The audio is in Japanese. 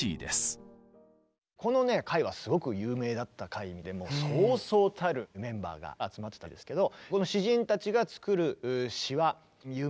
このね会はすごく有名だった会でそうそうたるメンバーが集まってたんですけど。